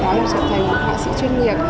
đó là trở thành một họa sĩ chuyên nghiệp